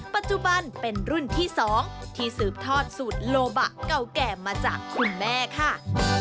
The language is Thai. ปัจจุบันเป็นรุ่นที่๒ที่สืบทอดสูตรโลบะเก่าแก่มาจากคุณแม่ค่ะ